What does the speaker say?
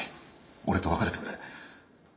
俺と別れてくれ。